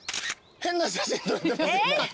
変な写真撮れてます。